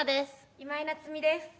今井菜津美です。